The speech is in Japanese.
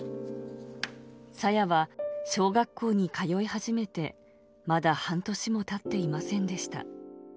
朝芽は小学校に通い始めてまだ半年もたっていませんでした。